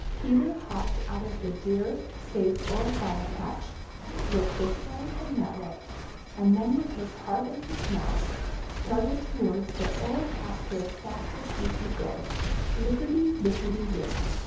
Peter hopped out from the dear, safe Old Briar patch, looked this way and that way, and then, with his heart in his mouth, started towards the Old Pasture as fast as he could go, lipperty lipperty lip.